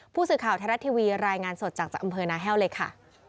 ผู้สื่อข่าวไทยรัฐทีวีรายงานสดจากอำเภอนาแห้วเลยค่ะ